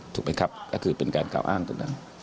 ถูกไหมครับถ้าคือเป็นการกล่าวอ้างตัวเนี่ย